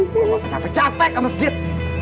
lo gak usah capek capek ke masjid